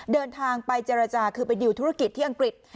เดินทางไปเจรจาคือไปดิวธุรกิจที่อังกฤษ